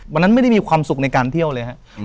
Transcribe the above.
วันนั้นไม่ได้มีความสุขในการเที่ยวเลยครับ